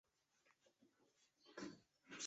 胡瑞荃中华人民共和国证券业的早期开拓者。